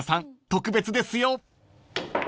特別ですよ］